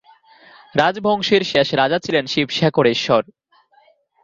রাজবংশের শেষ রাজা ছিলেন শিবশেখরেশ্বর।